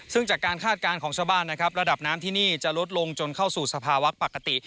ซึ่งจากการคาดการณ์ของชาวบ้านนะครับระดับน้ำที่นี่จะลดลงจนเข้าสู่สภาวะปกติ